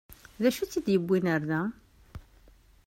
D acu i tt-id-yewwin ɣer da?